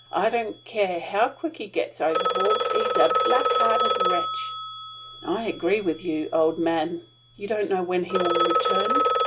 I don't care how quick he gets overhauled. He's a black hearted wretch!" "I agree with you, old man. You don't know when he will return?"